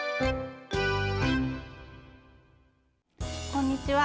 こんにちは。